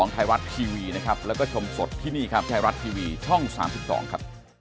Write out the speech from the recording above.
ใช่ครับ